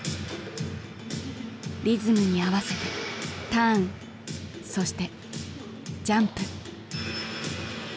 リズムに合わせてターンそしてジャンプ。